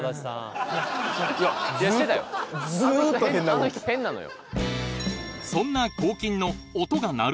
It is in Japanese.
・はいあの人変なのよ